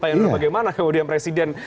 pak hendro bagaimana kemudian presiden